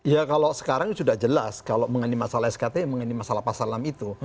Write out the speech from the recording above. ya kalau sekarang sudah jelas kalau mengenai masalah skt mengenai masalah pasal enam itu